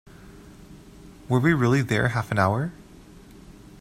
Were we really there half an hour?